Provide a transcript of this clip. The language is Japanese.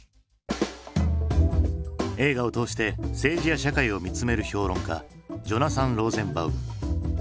映画を通して政治や社会を見つめる評論家ジョナサン・ローゼンバウム。